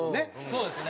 そうですね。